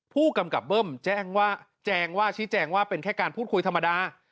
ผู้กำกับเบิ้มแจ้งว่าชี้แจงว่าเป็นแค่การพูดคุยธรรมดา